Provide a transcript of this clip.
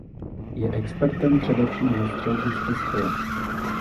Je expertem především na střelbu z pistole.